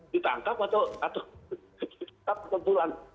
ditangkap atau ditempat atau pulang